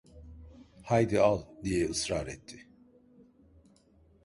"Haydi, al!" diye ısrar etti.